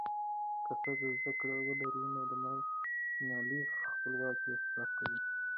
که ښځه زده کړه ولري، نو د مالي خپلواکۍ احساس کوي.